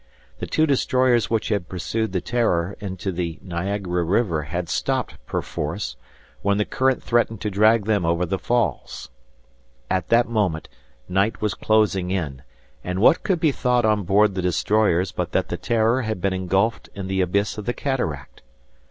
The two destroyers which had pursued the "Terror" into the Niagara River had stopped, perforce, when the current threatened to drag them over the falls. At that moment, night was closing in, and what could be thought on board the destroyers but that the "Terror" had been engulfed in the abyss of the cataract?